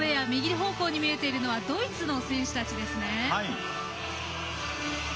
右方向に見えているのはドイツの選手たちですね。